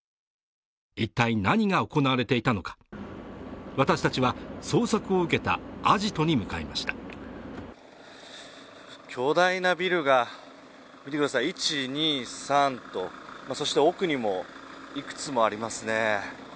一体何が行われていたのか私たちは捜索を受けたアジトに向かいました巨大なビルが１２３とそして奥にもいくつもありますね